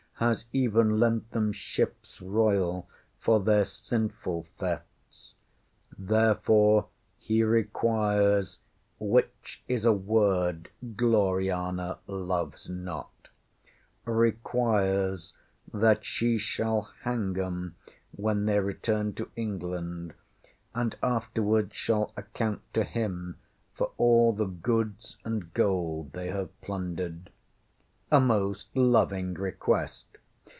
has even lent them ships royal for their sinful thefts. Therefore he requires (which is a word Gloriana loves not), requires that she shall hang ŌĆśem when they return to England, and afterwards shall account to him for all the goods and gold they have plundered. A most loving request!